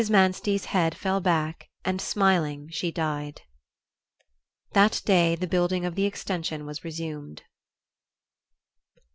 Manstey's head fell back and smiling she died. That day the building of the extension was resumed.